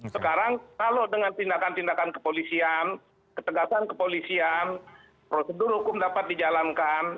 sekarang kalau dengan tindakan tindakan kepolisian ketegasan kepolisian prosedur hukum dapat dijalankan